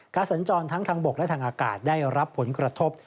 สัญจรทั้งทางบกและทางอากาศได้รับผลกระทบ